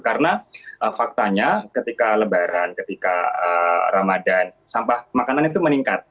karena faktanya ketika lebaran ketika ramadhan sampah makanan itu meningkat